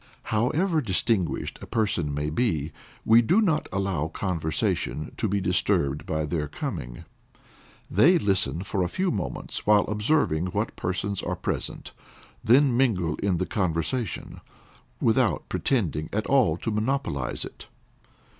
However distinguished a person may be, we do not allow conversation to be disturbed by their coming. They listen for a few moments while observing what persons are present, then mingle in the conversation, without pretending at all to monopolize it.